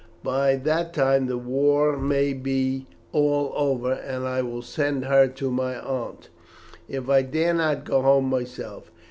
By that time the war may be all over, and I will send her to my aunt, if I dare not go home myself.